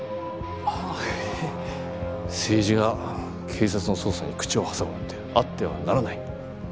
政治が警察の捜査に口を挟むなんてあってはならない。